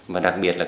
và đặc biệt là